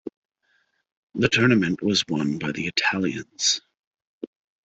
The tournament was won by the Italians.